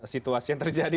situasi yang terjadi